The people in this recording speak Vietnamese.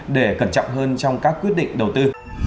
để cẩn trọng hơn trong các quyết định đầu tư